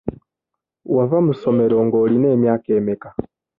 Wava mu ssomero ng'olina emyaka emeka?